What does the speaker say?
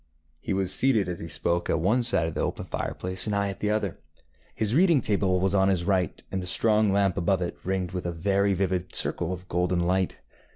ŌĆØ He was seated as he spoke at one side of the open fireplace, and I at the other. His reading table was on his right, and the strong lamp above it ringed it with a very vivid circle of golden light.